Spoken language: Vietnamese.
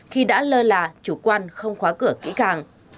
khi đã lơ là chủ quan không khóa cửa kỹ càng